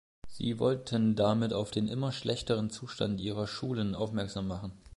Sie wollten damit auf den immer schlechteren Zustand ihrer Schulen aufmerksam machen.